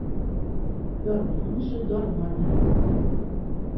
Ярлының эше дарман менән.